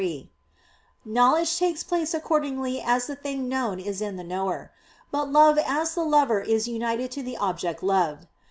3), knowledge takes place accordingly as the thing known is in the knower; but love as the lover is united to the object loved.